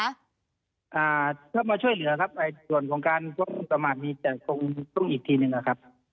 อ่าถ้ามาช่วยเหลือครับส่วนของการประมาณนี้จะต้องอีกทีหนึ่งครับ